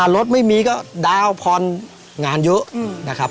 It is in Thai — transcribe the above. รถไม่มีก็ดาวพรงานเยอะนะครับ